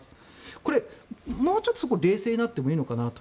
これ、もうちょっと冷静になってもいいのかなと。